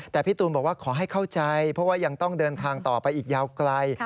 แต่พี่ตูนบอกว่าขอให้เข้าใจเพราะว่ายังต้องเดินทางต่อไปอีกยาวไกล